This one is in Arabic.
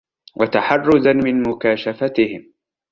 وَتَحَرُّزًا مِنْ مُكَاشَفَتِهِمْ